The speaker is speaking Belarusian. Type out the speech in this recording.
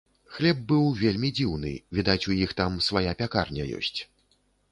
Хлеб быў вельмі дзіўны, відаць, у іх там свая пякарня ёсць.